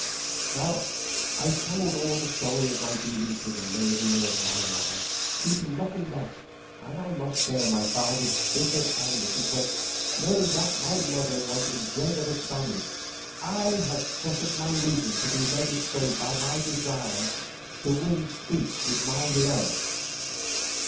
Now I told all the story of my dealings with the murderer of my mother, keeping nothing back, and I must bear my father's bitter anger because knowing that my mother was in dread of a Spaniard, I had suffered my reason to be led astray by my desire to win speech with my love.